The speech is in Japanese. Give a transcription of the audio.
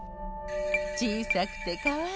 ちいさくてかわいい。